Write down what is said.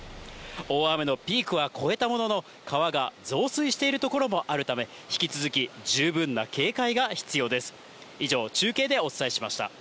大雨のピークは越えたものの、川が増水している所もあるため、引き続き十分な警戒が必要です。